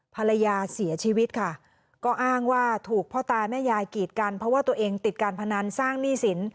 ภรรยาเสียชีวิตค่ะก็อ้างว่าถูกพ่อตาแม่ยายกีดกันเพราะว่าตัวเองติดการพนันสร้างหนี้สิน